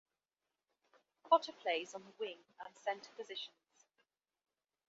Potter plays on the wing and centre positions.